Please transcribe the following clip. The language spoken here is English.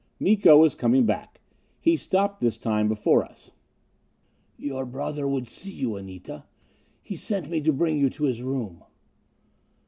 Miko was coming back. He stopped this time before us. "Your brother would see you, Anita. He sent me to bring you to his room."